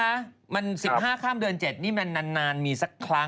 กลับมาแล้วครับกลับมาคุณกลับมาจากฮ่องโกงนะครับ